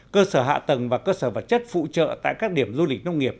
cơ sở hạ tầng và cơ sở vật chất phụ trợ tại các điểm du lịch nông nghiệp